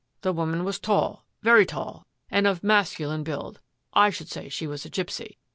" The woman was tall, very dark, and of masculine build. I should say she was a gipsy."